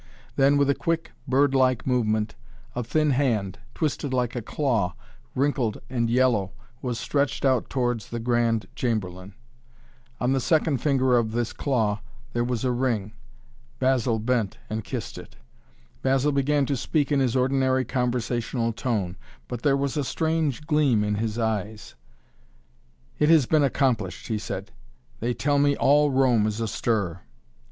Then, with a quick, bird like movement, a thin hand, twisted like a claw, wrinkled and yellow, was stretched out towards the Grand Chamberlain. On the second finger of this claw there was a ring. Basil bent and kissed it. Basil began to speak in his ordinary, conversational tone, but there was a strange gleam in his eyes. "It has been accomplished," he said. "They tell me all Rome is astir!"